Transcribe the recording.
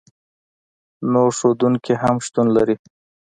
نور ښودونکي هم شتون لري.